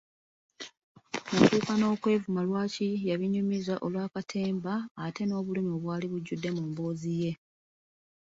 Natuuka n'okwevuma lwaki yabinnyumiza olwa katemba ate n'obulumi obwali bujjudde mu mboozi eyo.